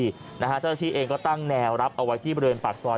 เจ้าหน้าที่เองก็ตั้งแนวรับเอาไว้ที่บริเวณปากซอย